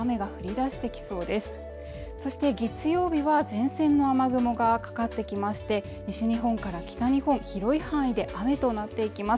そして月曜日は前線の雨雲がかかってきまして西日本から北日本広い範囲で雨となっていきます